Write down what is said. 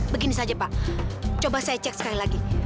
begini saja pak coba saya cek sekali lagi